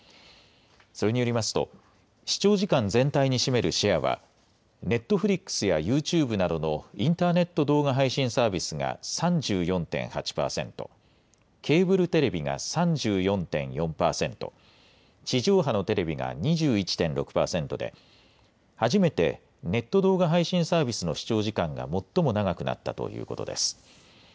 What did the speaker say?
それによりますと、視聴時間全体に占めるシェアは、ネットフリックスやユーチューブなどのインターネット動画配信サービスが３４．８％、ケーブルテレビが３４．４％、地上波のテレビが２１．６％で、初めてネット動画配信サービスの視聴時間が最も長くなったということです。